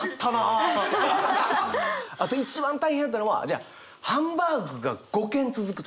あと一番大変やったのはじゃあハンバーグが５軒続くとか。